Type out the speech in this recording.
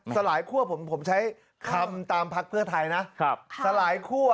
สลายคั่วผมใช้คำตามพักเพื่อไทยนะสลายคั่ว